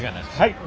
はい。